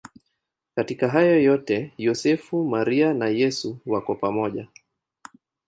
Katika hayo yote Yosefu, Maria na Yesu wako pamoja.